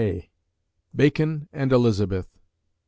BACON AND ELIZABETH.